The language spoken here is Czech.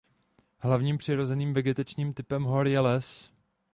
Hlavním přirozeným vegetačním typem hor je les.